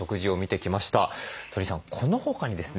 鳥居さんこの他にですね